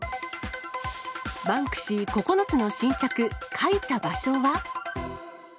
バンクシー、９つの新作、描いた場所は？